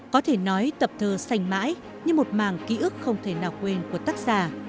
có thể nói tập thơ sành mãi như một màng ký ức không thể nào quên của tác giả